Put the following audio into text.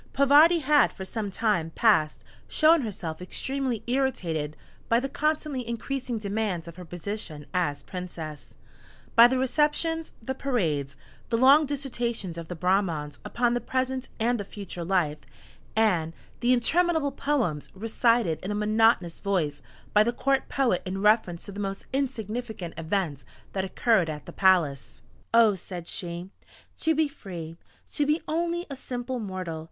Parvati had for some time past shown herself extremely irritated by the constantly increasing demands of her position as Princess; by the Receptions, the Parades, the long dissertations of the Brahmans upon the present and the future Life, and the interminable Poems, recited in a monotonous voice by the court Poet in reference to the most insignificant events that occurred at the palace. "Oh!" said she, "to be free! to be only a simple mortal!